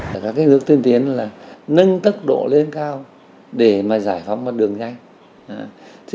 các kế hoạch tiên tiến là nâng tốc độ lên cao để giải phóng đường nhanh